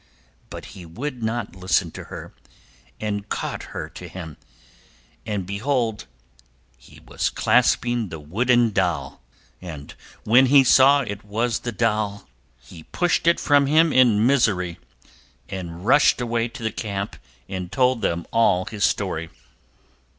But he would not listen to her and caught her to him, and behold! he was clasping the wooden doll. And when he saw it was the doll he pushed it from him in his misery and rushed away to the camp and told them all his story.